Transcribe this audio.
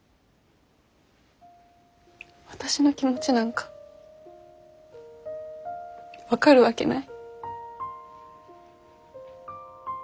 私の気持ちなんか分かるわけない。